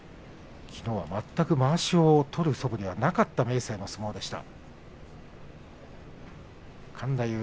きのうは全くまわしを取るそぶりはなかった明生の相撲でした。